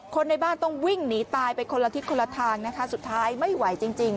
คนในบ้านต้องวิ่งหนีตายไปคนละทิศคนละทางนะคะสุดท้ายไม่ไหวจริง